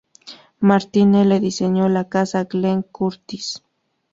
Martin L. diseñó la Casa Glenn Curtiss.